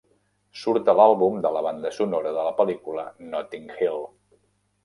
Surt a l'àlbum de la banda sonora de la pel·lícula Notting Hill.